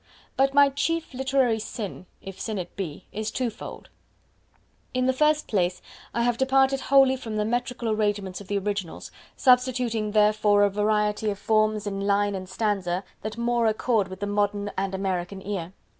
But my chief literary sin if sin it be is twofold. In the first place I have departed wholly from the metrical arrangements of the originals substituting therefore a variety of forms in line and stanza that more accord with the modern and American ear.